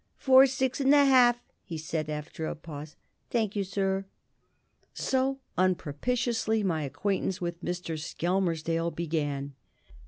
"Four, six and a half," he said, after a pause. "Thank you, Sir." So, unpropitiously, my acquaintance with Mr. Skelmersdale began.